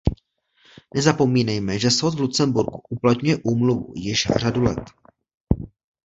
Nezapomínejme, že soud v Lucemburku uplatňuje úmluvu již řadu let.